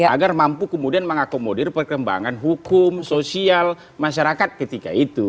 agar mampu kemudian mengakomodir perkembangan hukum sosial masyarakat ketika itu